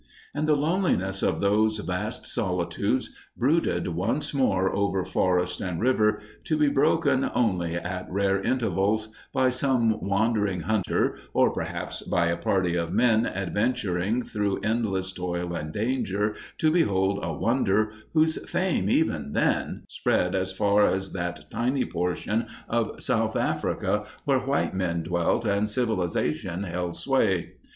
And the loneliness of those vast solitudes brooded once more over forest and river, to be broken only at rare intervals by some wandering hunter, or perhaps by a party of men adventuring through endless toil and danger to behold a wonder whose fame, even then, spread as far as that tiny portion of South Africa where white men dwelt and civilization held sway.